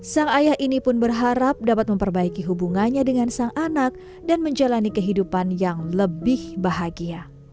sang ayah ini pun berharap dapat memperbaiki hubungannya dengan sang anak dan menjalani kehidupan yang lebih bahagia